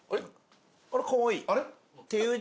あらかわいい。